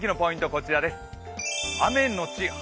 こちらです。